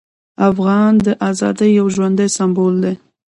افغان د ازادۍ یو ژوندی سمبول دی.